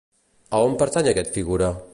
A on pertany aquest figura?